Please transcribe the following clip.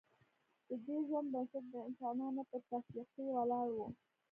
ددې ژوند بنسټ د انسانانو پر تفرقې ولاړ و